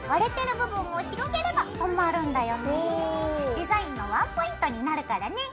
デザインのワンポイントになるからね。